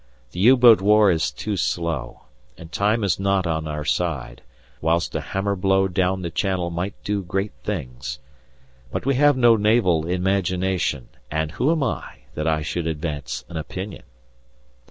The U boat war is too slow, and time is not on our side, whilst a hammer blow down the Channel might do great things. But we have no naval imagination, and who am I, that I should advance an opinion?